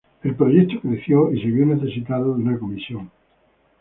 El proyecto creció, y se vio necesitado de una Comisión.